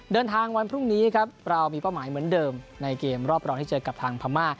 วันพรุ่งนี้ครับเรามีเป้าหมายเหมือนเดิมในเกมรอบรองที่เจอกับทางพม่า